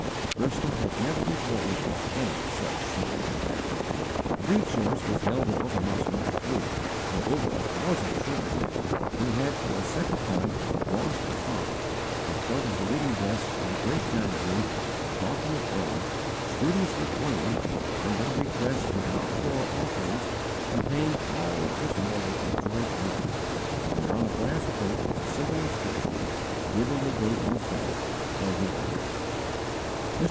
Bristol had never before witnessed any such scene. A brief service was held at Orphan House No. 3, where over a thousand children met, who had for a second time lost a 'father'; in front of the reading desk in the great dining room, a coffin of elm, studiously plain, and by request without floral offerings, contained all that was mortal of George Muller, and on a brass plate was a simple inscription, giving the date of his death, and his age. Mr.